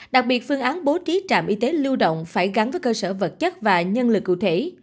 đặc biệt phương án bố trí trạm y tế lưu động phải gắn với cơ sở vật chất và nhân lực cụ thể